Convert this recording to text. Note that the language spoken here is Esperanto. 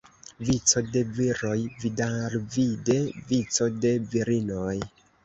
Vico de viroj, vidalvide vico de virinoj.